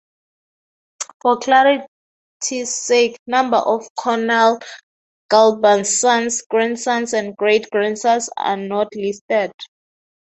For clarity's sake number of Conall Gulban's sons, grandsons and great-grandsons are not listed.